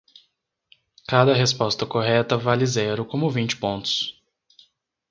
Cada resposta correta vale zero como vinte pontos.